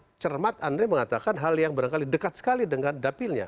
secara cermat andre mengatakan hal yang barangkali dekat sekali dengan dapilnya